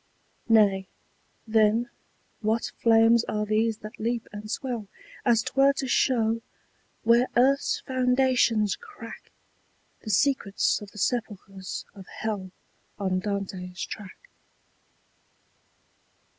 Nay, then, what flames are these that leap and swell As 'twere to show, where earth's foundations crack, The secrets of the sepulchres of hell On Dante's track?